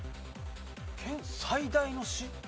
県最大の市？